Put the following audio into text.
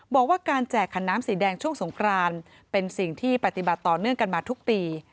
บอกว่าการแจกขันน้ำสีแดงช่วงสงครานเป็นสิ่งที่ปฏิบัติต่อเนื่องกันมาทุกปี